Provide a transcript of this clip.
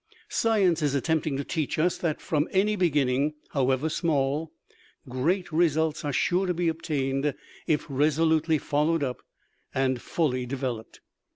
Science is attempting to teach us that from any beginning, however small, great results are sure to be obtained if resolutely followed up and fully developed.